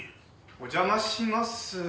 お邪魔しますー。